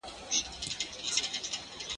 چي خدای څومره پیدا کړی یم غښتلی !.